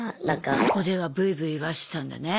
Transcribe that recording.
そこではブイブイ言わせてたんだね。